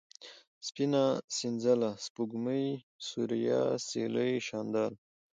سپينه ، سنځله ، سپوږمۍ ، سوریا ، سېلۍ ، شانداره